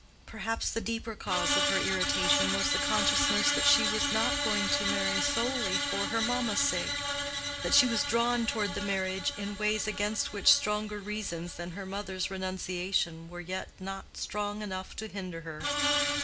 Perhaps the deeper cause of her irritation was the consciousness that she was not going to marry solely for her mamma's sake—that she was drawn toward the marriage in ways against which stronger reasons than her mother's renunciation were yet not strong enough to hinder her.